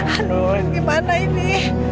aduh gimana ini